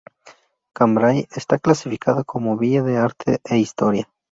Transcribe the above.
Cambrai está clasificada como Villa de Arte e Historia.